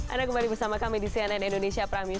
anda kembali bersama kami di cnn indonesia prime news